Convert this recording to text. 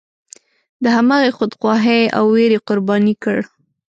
د همغې خودخواهۍ او ویرې قرباني کړ.